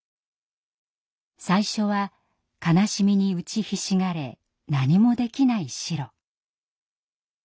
最初は悲しみに打ちひしがれ何もできないシロ。